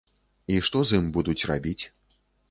І што з ім будуць рабіць?